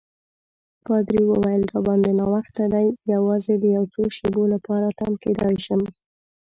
پادري وویل: راباندي ناوخته دی، یوازې د یو څو شېبو لپاره تم کېدای شم.